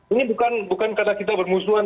ini bukan karena kita bermusuhan